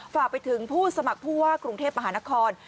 ฝากไปถึงผู้สมัครผู้ว่ากรุงเทพมหานคร